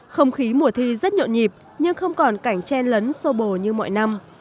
không khí mùa thi rất nhộn nhịp nhưng không còn cảnh chen lấn sô bồ như mọi năm